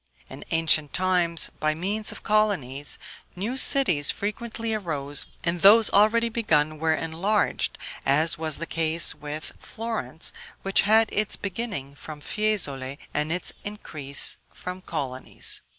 In ancient times, by means of colonies, new cities frequently arose, and those already begun were enlarged, as was the case with Florence, which had its beginning from Fiesole, and its increase from colonies.